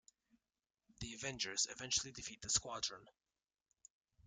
The Avengers eventually defeat the Squadron.